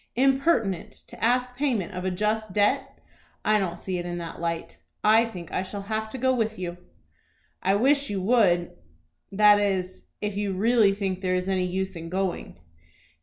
"Impertinent to ask payment of a just debt! I don't see it in that light. I think I shall have to go with you." "I wish you would, that is, if you really think there is any use in going."